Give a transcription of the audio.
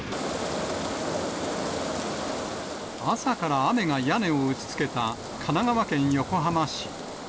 朝から雨が屋根を打ちつけた神奈川県横浜市。